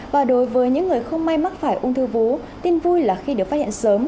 và đối với những người không may mắc phải ung thư vú tin vui là khi được phát hiện sớm